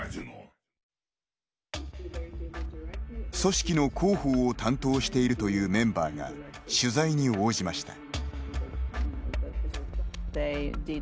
組織の広報を担当しているというメンバーが、取材に応じました。